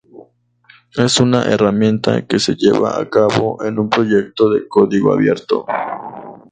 Es una herramienta que se lleva a cabo en un Proyecto de código abierto.